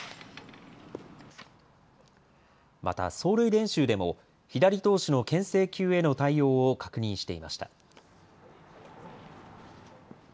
また走塁練習でも左投手のけん制球への対応を確認していました。